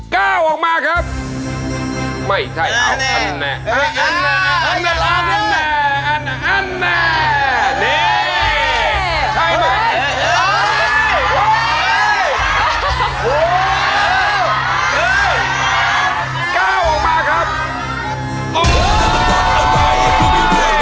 ก้าวออกมาครับ